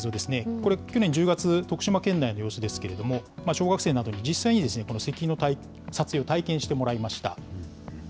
これ、去年１０月、徳島県内の様子ですけれども、小学生などに実際に石碑の撮影を体験してもらいました。